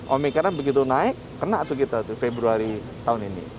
omikron begitu naik kena tuh kita februari tahun ini